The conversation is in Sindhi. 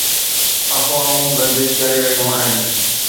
افواهون گردش ڪري رهيون آهن